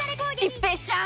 一平ちゃーん！